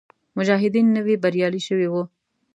مجاهدین نوي بریالي شوي وو.